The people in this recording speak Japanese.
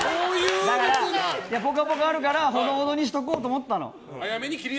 「ぽかぽか」あるからほどほどにしとこうと思ったの。